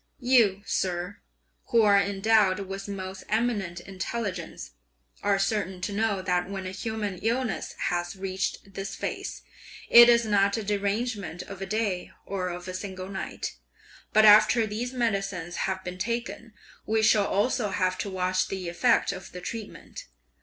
"You, sir, who are endowed with most eminent intelligence (are certain to know) that when a human illness has reached this phase, it is not a derangement of a day or of a single night; but after these medicines have been taken, we shall also have to watch the effect of the treatment!